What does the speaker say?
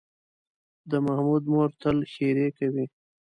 د محمود مور تل ښېرې کوي.